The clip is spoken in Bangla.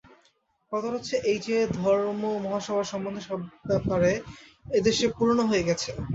কথাটা হচ্ছে এই যে, ধর্মমহাসভা সম্বন্ধে সব ব্যাপার এদেশে পুরানো হয়ে গেছে।